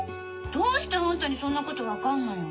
どうしてあんたにそんなこと分かんのよ。